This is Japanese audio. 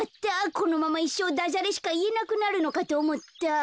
このままいっしょうダジャレしかいえなくなるのかとおもった。